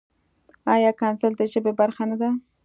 ایا کنځل د ژبې برخه نۀ ده؟